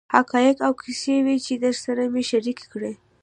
حقایق او کیسې وې چې درسره مې شریکې کړې.